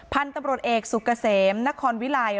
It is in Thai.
พันธุ์ตำรวจเอกสุกเกษมนครวิลัย